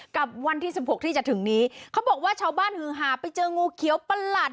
กับวันที่สิบหกที่จะถึงนี้เขาบอกว่าชาวบ้านหือหาไปเจองูเขียวประหลัด